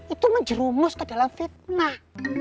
itu menjerumus ke dalam fitnah